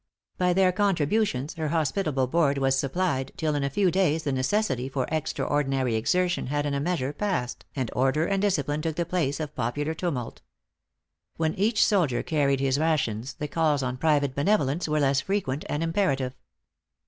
By their contributions her hospitable board was supplied, till in a few days the necessity for extraordinary exertion had in a measure passed, and order and discipline took the place of popular tumult. When each soldier carried his rations, the calls on private benevolence were less frequent and imperative.